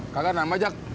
kagak nama jak